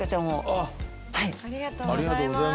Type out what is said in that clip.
ありがとうございます。